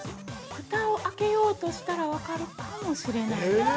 ◆ふたを開けようとしたら分かるかもしれないです。